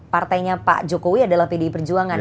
partainya pak jokowi adalah pdi perjuangan